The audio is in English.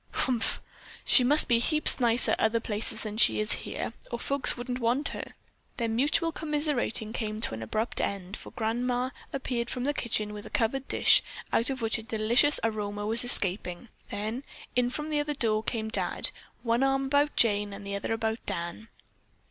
"Humph! She must be heaps nicer other places than she is here, or folks wouldn't want her." Their mutual commiserating came to an abrupt end, for Grandma appeared from the kitchen with a covered dish, out of which a delicious aroma was escaping. Then in from the other door came Dad, one arm about Jane and the other about Dan.